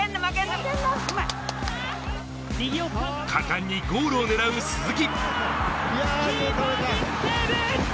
果敢にゴールを狙う鈴木。